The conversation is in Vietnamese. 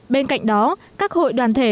bên cạnh đó các hội đoàn thể